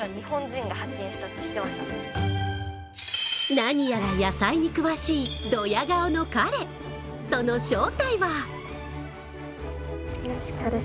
何やら野菜に詳しいドヤ顔の彼、その正体は？